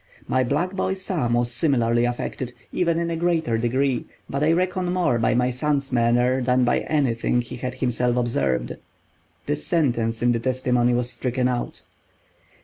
My black boy Sam was similarly affected, even in a greater degree, but I reckon more by my son's manner than by anything he had himself observed. [This sentence in the testimony was stricken out.